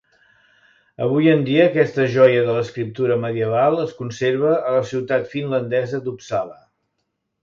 Avui en dia, aquesta joia de l'escriptura medieval es conserva a la ciutat finlandesa d'Uppsala.